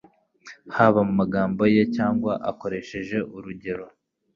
haba mu magambo ye cyangwa akoresheje urugero,